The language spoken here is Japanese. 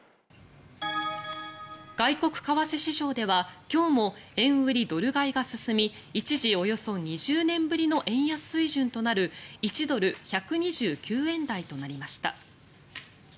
外国為替市場では今日も円売り・ドル買いが進み一時、およそ２０年ぶりの円安水準となる１ドル＝１２９円台となりました。